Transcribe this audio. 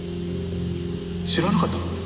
知らなかったの？